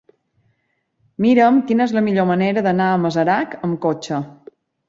Mira'm quina és la millor manera d'anar a Masarac amb cotxe.